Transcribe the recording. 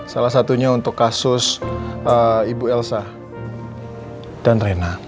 salah satunya untuk kasus ibu elsa dan rena